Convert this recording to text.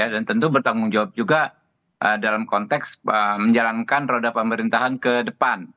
dan tentu bertanggung jawab juga dalam konteks menjalankan roda pemerintahan ke depan